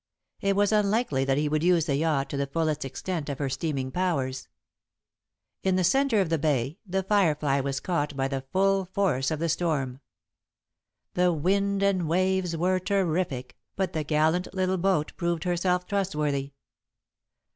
It was unlikely that he would use the yacht to the fullest extent of her steaming powers. In the centre of the Bay The Firefly was caught by the full force of the storm. The wind and waves were terrific, but the gallant little boat proved herself trustworthy.